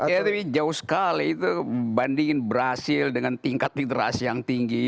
ya tapi jauh sekali itu bandingin brazil dengan tingkat literasi yang tinggi